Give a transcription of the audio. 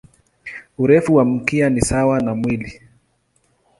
Urefu wa mkia ni sawa na mwili.